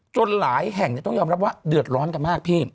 หลายแห่งต้องยอมรับว่าเดือดร้อนกันมากพี่